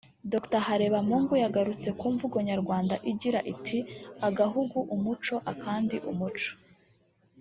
Dr Harebamungu yagarutse ku mvugo nyarwanda igira iti “Agahugu umuco akandi umuco”